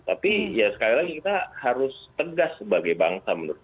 tapi ya sekali lagi kita harus tegas sebagai bangsa menurut